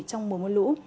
trong mùa mưa lũ